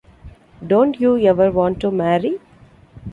Don't you ever want to marry?